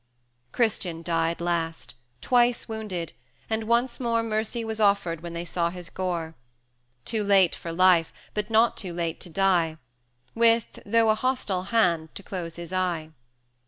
Christian died last twice wounded; and once more Mercy was offered when they saw his gore; Too late for life, but not too late to die,[ft] With, though a hostile hand, to close his eye.